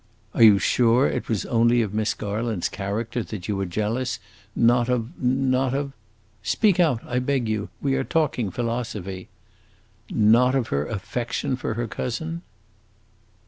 "Are you sure it was only of Miss Garland's character that you were jealous, not of not of" "Speak out, I beg you. We are talking philosophy!" "Not of her affection for her cousin?"